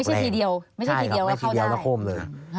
คือไม่ใช่ทีเดียวไม่ใช่ทีเดียวเข้าได้